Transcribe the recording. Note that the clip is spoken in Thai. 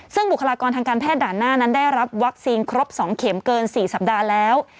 ซึ่งบุคลากรทางการแพทย์ด่านหน้านั้นได้รับวัคซีนครบ๒เข็มเกิน๔สัปดาห์แล้ว